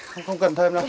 không cần thêm đâu